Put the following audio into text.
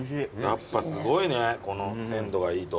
やっぱすごいね鮮度がいいと。